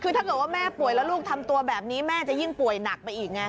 คือถ้าเกิดว่าแม่ป่วยแล้วลูกทำตัวแบบนี้แม่จะยิ่งป่วยหนักไปอีกไง